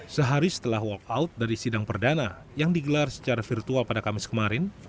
sehari setelah walkout dari sidang perdana yang digelar secara virtual pada kamis kemarin